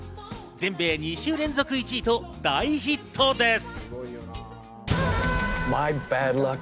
全米２週連続１位と大ヒットです。